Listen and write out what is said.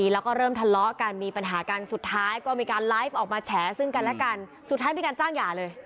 แล้วก็เริ่มทะเลาะกันมีปัญหากันสุดท้ายก็มีการไลฟ์ออกมาแฉซึ่งกันและกันสุดท้ายมีการจ้างหย่าเลย